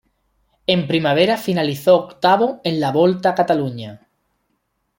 En primavera finalizó octavo en la Volta a Catalunya.